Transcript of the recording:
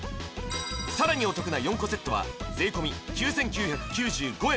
さらにお得な４個セットは税込９９９５円